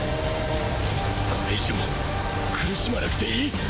これ以上苦しまなくていい！